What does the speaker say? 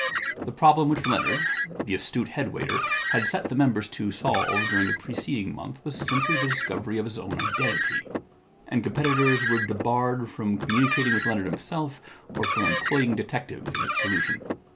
The problem which Leonard, the astute head waiter, had set the members to solve during the preceding month was simply the discovery of his own identity ; and com petitors were debarred from communicating with Leonard himself or from employing detectives in its solution.